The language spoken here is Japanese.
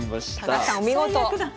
高橋さんお見事。